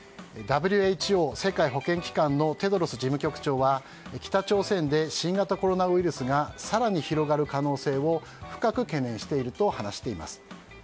ＷＨＯ・世界保健機関のテドロス事務局長は北朝鮮で新型コロナウイルスが更に広がる可能性を深く懸念していると話しています。